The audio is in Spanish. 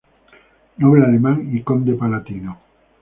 Noble alemán y conde palatino.